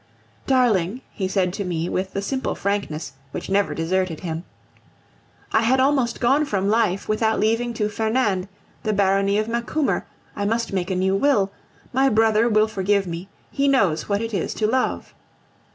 "Darling," he said to me with the simple frankness which never deserted him, "I had almost gone from life without leaving to Fernand the Barony of Macumer; I must make a new will. My brother will forgive me; he knows what it is to love!"